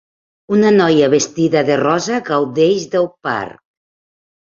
Una noia vestida de rosa gaudeix del parc.